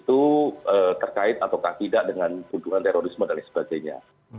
itu terkait atau tidak dengan tuduhan terorisme dan lain sebagainya